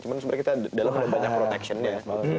cuman sebenernya kita dalam banyak protection ya